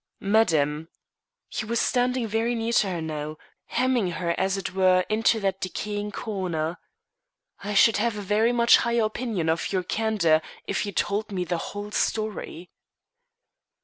"Madam," he was standing very near to her now, hemming her as it were into that decaying corner "I should have a very much higher opinion of your candour if you told me the whole story."